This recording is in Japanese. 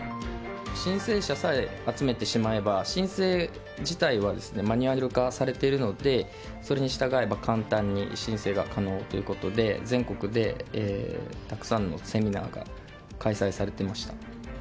申請者さえ集めてしまえば、申請自体はマニュアル化されているので、それに従えば、簡単に申請が可能ということで、全国でたくさんのセミナーが開催されていました。